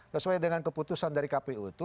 sesuai dengan keputusan dari kpu itu